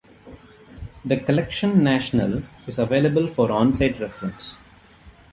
The "Collection nationale" is available for on-site reference.